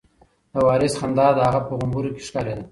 د وارث خندا د هغه په غومبورو کې ښکارېده.